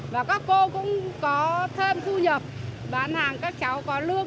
và các cô cũng có thêm thu nhập bán hàng các cháu có lương